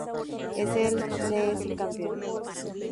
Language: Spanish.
Él es el campeón.